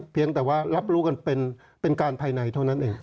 เพียงแต่ว่ารับรู้กันเป็นการภายในเท่านั้นเอง